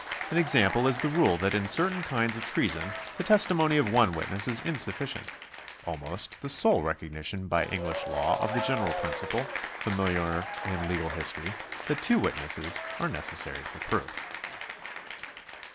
An example is the rule that in certain kinds of treason the testimony of one witness is insufficient — almost the sole recognition by English law of the general principle, familiar in legal history, that two witnesses are necessary for proof.